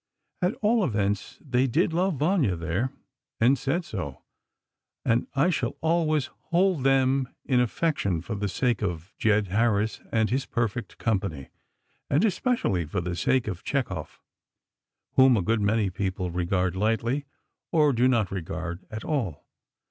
At all events they did love "Vanya," there, and said so, and I shall always hold them in affection for the sake of Jed Harris and his perfect company, and especially for the sake of Chekhov, whom a good many people regard lightly, or do not regard at all.